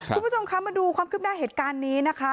คุณผู้ชมคะมาดูความคืบหน้าเหตุการณ์นี้นะคะ